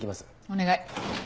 お願い。